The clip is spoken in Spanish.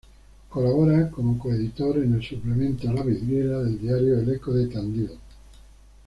Colabora como coeditor en el suplemento "La Vidriera" del Diario El Eco de Tandil.